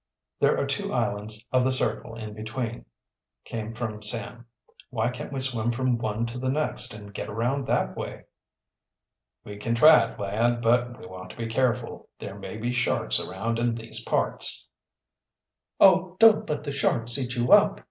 "There are two islands of the circle in between," came from Sam. "Why can't we swim from one to the next and get around that way?" "We can try it, lad. But we want to be careful. There may be sharks around in these parts." "Oh, don't let the sharks eat you up!"